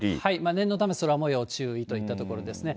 念のため、空もよう注意といったところですね。